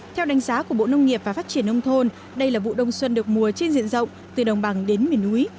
theo đánh giá của bộ nông nghiệp và phát triển nông thôn đây là vụ đông xuân được mùa trên diện rộng từ đồng bằng đến miền núi